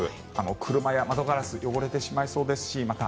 車や窓ガラス汚れてしまいそうですしまた